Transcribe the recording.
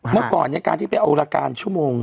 เมื่อก่อนการที่ไปเอาละการชั่วโมง